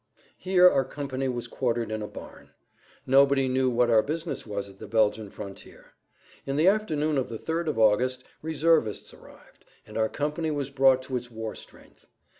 Here our company was quartered in a barn. Nobody knew what our business was at the Belgian frontier. In the afternoon of the 3rd of August reservists arrived, and our company was brought to its war strength.